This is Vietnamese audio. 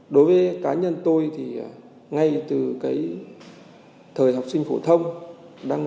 đối với cá nhân tôi thì ngay từ cái thời học sinh phổ thông